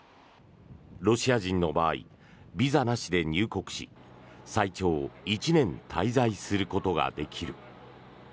ロシア人の場合ビザなしで入国し最長１年滞在することができる。